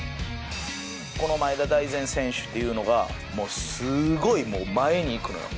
この前田大然選手っていうのがもうすごい前に行くのよ。